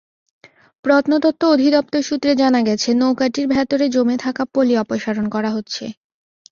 প্রত্নতত্ত্ব অধিদপ্তর সূত্রে জানা গেছে, নৌকাটির ভেতরে জমে থাকা পলি অপসারণ করা হচ্ছে।